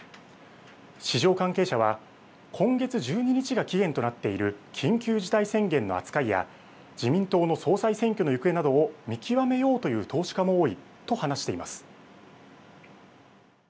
市場関係者は今月１２日が期限となっている緊急事態宣言の扱いや自民党の総裁選挙の行方などを見極めようという投資家も多いと話しています。